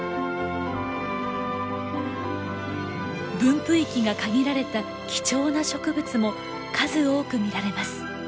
分布域が限られた貴重な植物も数多く見られます。